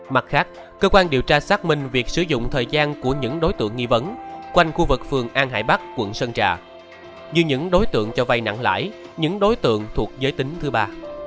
mặt khác cơ quan điều tra xác minh việc sử dụng thời gian của những đối tượng nghi vấn quanh khu vực phường an hải bắc quận sơn trà như những đối tượng cho vay nặng lãi những đối tượng thuộc giới tính thứ ba